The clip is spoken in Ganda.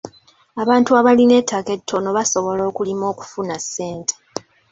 Abantu abalina ettaka ettono basobola okulima okufuna ssente.